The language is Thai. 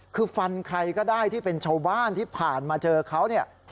คือฟันใครก็ได้ที่เป็นชาวบ้านที่ผ่านมาเจอเขาเนี่ย